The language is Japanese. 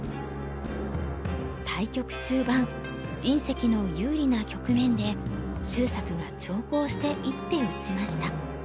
対局中盤因碩の有利な局面で秀策が長考して一手打ちました。